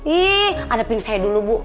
ih adapin saya dulu bu